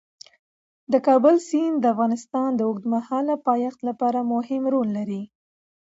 د کابل سیند د افغانستان د اوږدمهاله پایښت لپاره مهم رول لري.